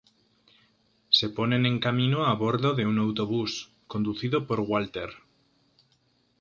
Se ponen en camino a bordo de un autobús, conducido por Walter.